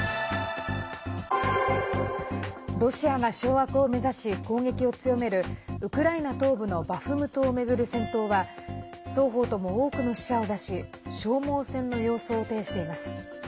ロシアが掌握を目指し攻撃を強めるウクライナ東部のバフムトを巡る戦闘は双方とも多くの死者を出し消耗戦の様相を呈しています。